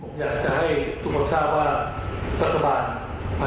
ผมอยากจะให้ทุกคนทราบว่าประสบัติภั